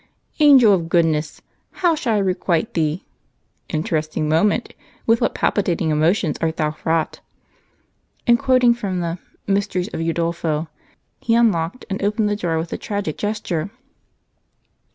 "'Angel of goodness, how shall I requite thee? Interesting moment, with what palpitating emotions art thou fraught!'" And, quoting from the "Mysteries of Udolpho," he unlocked and opened the drawer with a tragic gesture.